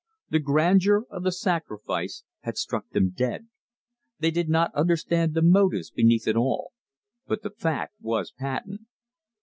The grandeur of the sacrifice had struck them dumb. They did not understand the motives beneath it all; but the fact was patent.